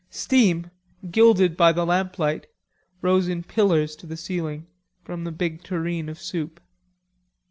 Steam, gilded by the lamplight, rose in pillars to the ceiling from the big tureen of soup.